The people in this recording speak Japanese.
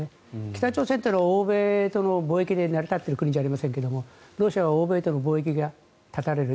北朝鮮というのは欧米との貿易で成り立っている国じゃありませんがロシアは欧米との貿易が断たれる。